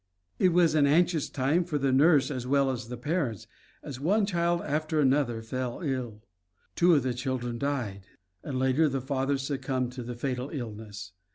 It was an anxious time for the nurse as well as the parents, as one child after another fell ill. Two of the children died, and later the father succumbed to the fatal illness.